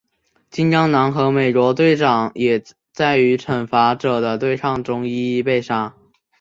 金刚狼和美国队长也在与惩罚者的对抗中一一被杀。